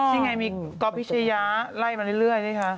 นี่ไงมีก็พิเศษย้าไล่มาเรื่อยนี่คะ